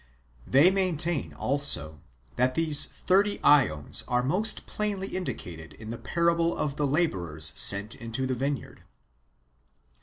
They maintain also, that these thirty ^ons are most plainly indicated in the parable^ of the labourers sent into the vineyard.